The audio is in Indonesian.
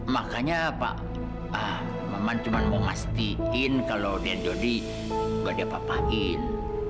makanya pak maman cuma mau ngastiin kalau dia jody nggak diapa apain